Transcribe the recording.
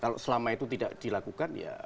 kalau selama itu tidak dilakukan ya